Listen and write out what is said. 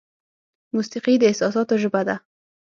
موسیقي د احساساتو ژبه ده.